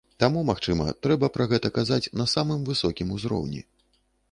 Таму, магчыма, трэба пра гэта казаць на самым высокім узроўні.